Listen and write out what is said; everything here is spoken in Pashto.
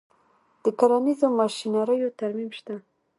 د کرنیزو ماشینریو ترمیم شته